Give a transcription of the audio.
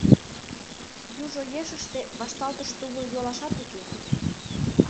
Южо ешыште вашталтыш тувыр-йолашат уке.